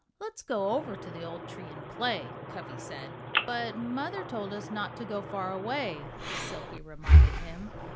"Let's go over to the old tree and play," Cuffy said. "But Mother told us not to go far away," Silkie reminded him.